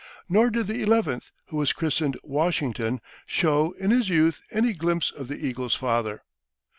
Nor did the eleventh, who was christened Washington, show, in his youth, any glimpse of the eagle's feather.